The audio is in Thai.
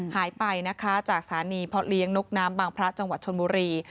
หายไปนะคะจากสถานีเพาะเลี้ยงนกน้ำบางพระจังหวัดชนบุรี